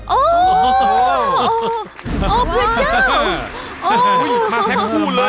โอ้โหพระเจ้า